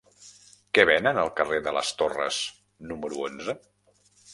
Què venen al carrer de les Torres número onze?